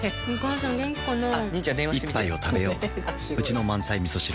一杯をたべよううちの満菜みそ汁